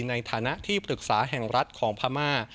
ในฐานะที่ปรึกษาแห่งรัฐของพม่า